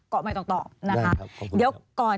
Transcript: ก็ไม่ต้องตอบได้ครับขอบคุณครับ